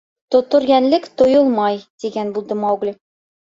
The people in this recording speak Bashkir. — Тотор йәнлек тойолмай, — тигән булды Маугли.